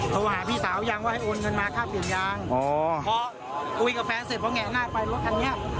โทรหาพี่สาวยังว่าให้โอนเงินมาค่าเปลี่ยนยางพอคุยกับแฟนเสร็จพอแงะหน้าไปรถคันนี้